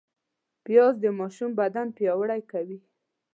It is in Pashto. پیاز د ماشوم بدن پیاوړی کوي